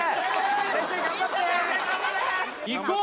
先生頑張って！いこう！